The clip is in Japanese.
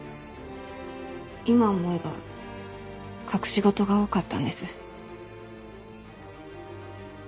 今思えば隠し事が多かったんです。